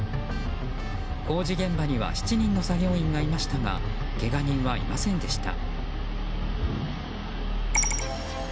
工事現場には７人の作業員がいましたがけが人はいませんでした。